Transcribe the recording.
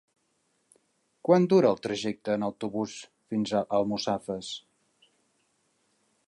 Quant dura el trajecte en autobús fins a Almussafes?